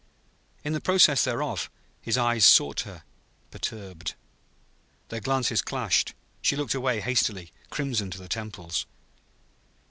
In the process thereof, his eyes sought her, perturbed. Their glances clashed. She looked away hastily, crimson to her temples.